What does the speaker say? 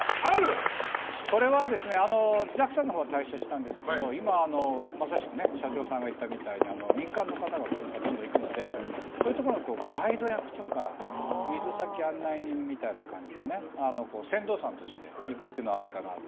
これは、ＪＡＸＡのほうは退社したんですけど今、まさしく社長さんが行ったみたいに民間の方がどんどん行くのでそういうところのガイド役とか水先案内人みたいな感じで船頭さんとしていくっていうのはありかなと。